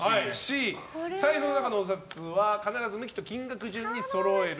財布の中のお札は必ず向きと金額順にそろえる。